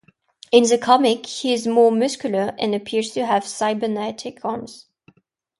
In the comic, he is more muscular and appears to have cybernetic arms.